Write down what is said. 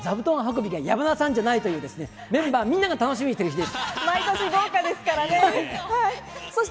年に一度、座布団運びが山田さんじゃないという、メンバーみんなが楽しみにしてる日です。